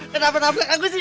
kenapa nabrak aku sih